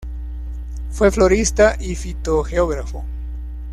Fue florista y fitogeógrafo.